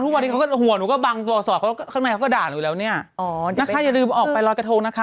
ลิตแต่๓โมงไม่ชมเลยสักครั้ง